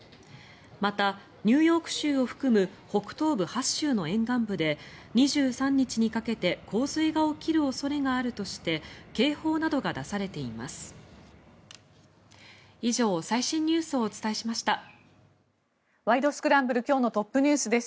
またニューヨーク州を含む北東部８州の沿岸部で２３日にかけて洪水が起きる恐れがあるとして警報などが出されています。